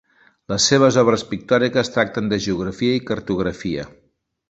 Les seves obres pictòriques tracten de geografia i cartografia.